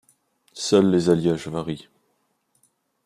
Seuls les alliages varient.